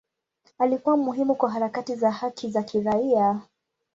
Alikuwa muhimu kwa harakati za haki za kiraia.